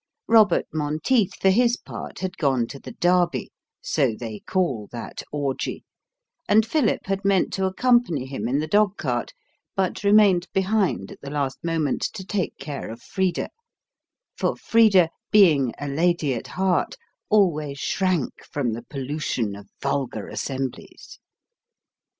Robert Monteith, for his part, had gone to the Derby so they call that orgy and Philip had meant to accompany him in the dogcart, but remained behind at the last moment to take care of Frida; for Frida, being a lady at heart, always shrank from the pollution of vulgar assemblies.